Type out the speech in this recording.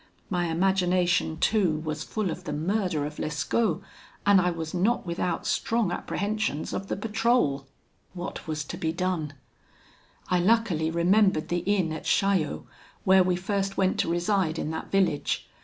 My imagination too was full of the murder of Lescaut, and I was not without strong apprehensions of the patrol. What was to be done? I luckily remembered the inn at Chaillot, where we first went to reside in that village.